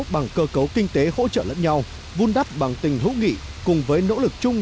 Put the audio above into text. bằng cơ cấu kinh tế hỗ trợ lẫn nhau vun đắp bằng tình hữu nghị cùng với nỗ lực chung